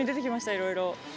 いろいろ。